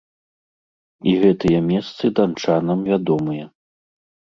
І гэтыя месцы данчанам вядомыя.